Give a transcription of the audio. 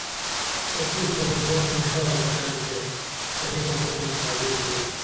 تسو تانومانہ ڜا کٹین تے ژنی تانو مکھ خالی کوریمہ